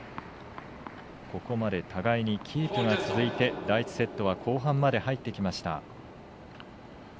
ここまで互いにキープが続いて第１セットは後半まで入ってきました。